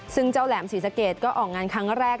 ซึ่งเจ้าแหลมศรีสะเกดก็ออกงานครั้งแรก